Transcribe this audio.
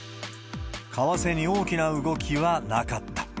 為替に大きな動きはなかった。